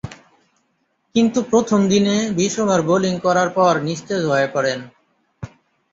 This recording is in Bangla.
কিন্তু প্রথম দিনে বিশ ওভার বোলিং করার পর নিস্তেজ হয়ে পড়েন।